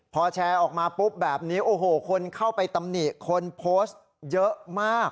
พอแชร์ออกมาปุ๊บแบบนี้โอ้โหคนเข้าไปตำหนิคนโพสต์เยอะมาก